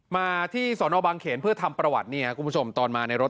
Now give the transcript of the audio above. มาที่สอนอบางเขนเพื่อทำประวัติเนี่ยคุณผู้ชมตอนมาในรถ